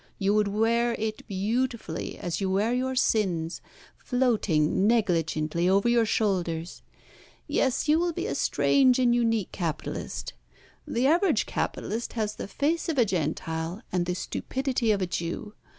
You would wear it beautifully, as you wear your sins, floating negligently over your shoulders. Yes, you will be a strange and unique capitalist. The average capitalist has the face of a Gentile, and the stupidity of a Jew.